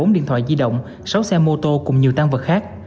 một mươi bốn điện thoại di động sáu xe mô tô cùng nhiều tăng vật khác